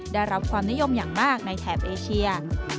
ได้รับความนิยมอย่างมากในแถบเอเชีย